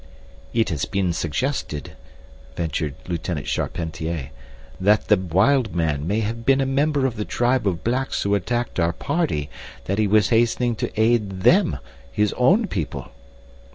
"It has been suggested," ventured Lieutenant Charpentier, "that the wild man may have been a member of the tribe of blacks who attacked our party—that he was hastening to aid THEM—his own people."